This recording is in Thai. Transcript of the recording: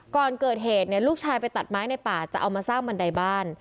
ก่อนเกิดเหตุลูกชายไปตัดไม้ในป่าจะเอามาสร้างบันไดบ้าน